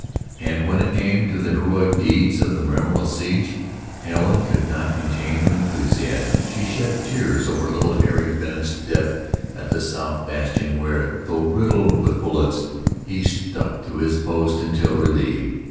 And when it came to the heroic deeds of that memorable siege Helen could not contain her enthusiasm. She shed tears over little Harry Bennet's death at the south bastion where, though riddled with bullets, he stuck to his post until relieved.